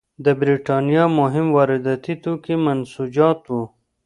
د برېټانیا مهم وارداتي توکي منسوجات وو.